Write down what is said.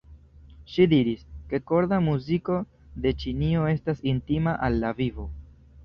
Ŝi diris, ke korda muziko de Ĉinio estas intima al la vivo.